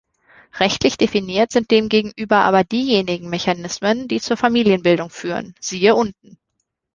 Rechtlich definiert sind demgegenüber aber diejenigen Mechanismen, die zur Familienbildung führen, siehe unten.